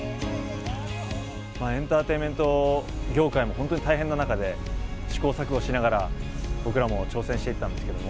エンターテインメント業界も本当に大変な中で、試行錯誤しながら、僕らも挑戦していったんですけれども。